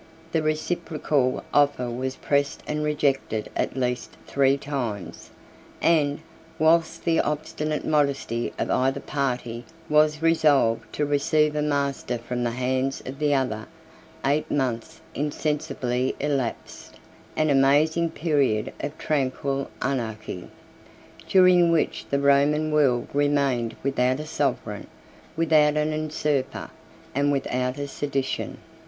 The reciprocal offer was pressed and rejected at least three times, and, whilst the obstinate modesty of either party was resolved to receive a master from the hands of the other, eight months insensibly elapsed; an amazing period of tranquil anarchy, during which the Roman world remained without a sovereign, without a usurper, and without a sedition.